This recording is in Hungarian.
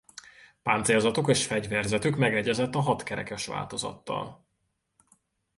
Páncélzatuk és fegyverzetük megegyezett a hat kerekes változattal.